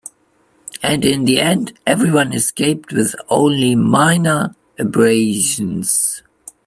And in the end, everyone escaped with only minor abrasions.